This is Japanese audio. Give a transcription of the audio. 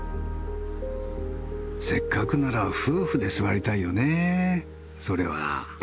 せっかくなら夫婦で座りたいよねそれは。